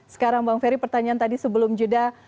sekarang bang ferry pertanyaan tadi sebelum jeda